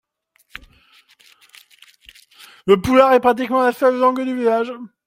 Le poular est pratiquement la seule langue du village.